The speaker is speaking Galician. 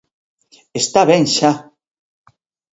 Está ben xa.